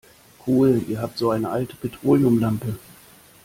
Cool, ihr habt so eine alte Petroleumlampe?